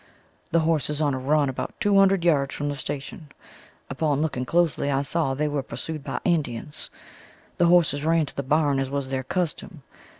The horses on a run, about two hundred yards from the station; upon looking closely I saw they were pursued by Indians. The horses ran to the barn as was their custom.